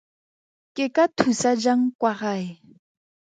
Ke ka thusa jang kwa gae.